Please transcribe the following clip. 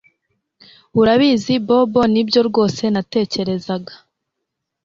Urabizi Bobo nibyo rwose natekerezaga